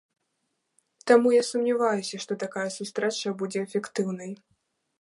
Таму я сумняваюся, што такая сустрэча будзе эфектыўнай.